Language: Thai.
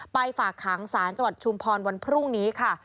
ไปฝากค้างศาลจชุมพรวันพรุ่งนี้ค่ะ